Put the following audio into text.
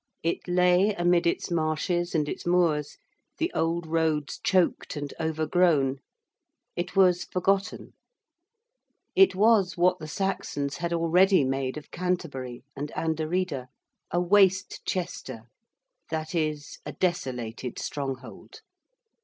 It lay amid its marshes and its moors, the old roads choked and overgrown; it was forgotten; it was what the Saxons had already made of Canterbury and Anderida, a 'Waste Chester,' that is, a desolated stronghold.